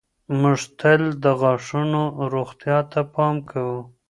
موږ تل د غاښونو روغتیا ته پام کوو.